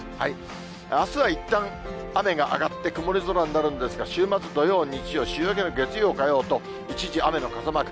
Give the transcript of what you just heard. あすはいったん雨が上がって曇り空になるんですが、週末、土曜、日曜、週明けの月曜、火曜と一時雨の傘マーク。